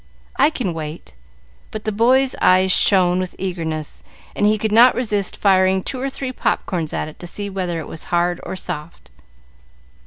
"I can wait;" but the boy's eyes shone with eagerness, and he could not resist firing two or three pop corns at it to see whether it was hard or soft.